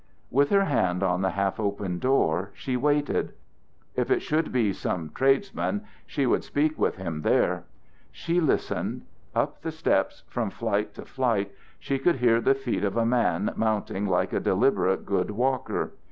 With her hand on the half open door, she waited. If it should be some tradesman, she would speak with him there. She listened. Up the steps, from flight to flight, she could hear the feet of a man mounting like a deliberate good walker.